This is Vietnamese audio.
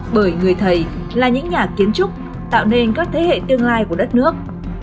bởi người thầy là những nhà kiến trúc tạo nên các thế hệ tương lai của đất nước